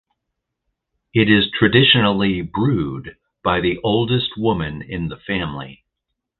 It is traditionally brewed by the "oldest woman in the family".